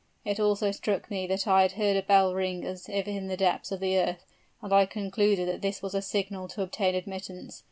It also struck me that I heard a bell ring as if in the depths of the earth, and I concluded that this was a signal to obtain admittance.